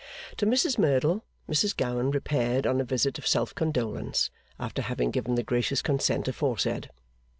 To Mrs Merdle, Mrs Gowan repaired on a visit of self condolence, after having given the gracious consent aforesaid.